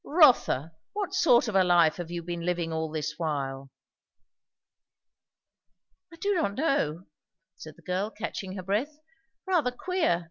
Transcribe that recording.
"Rotha, what sort of a life have you been living all this while?" "I do not know," said the girl catching her breath. "Rather queer.